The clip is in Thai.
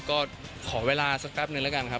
ก็ขอเวลาสักแป๊บนึงแล้วกันครับ